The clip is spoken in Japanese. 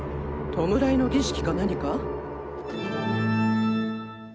弔いの儀式か何か？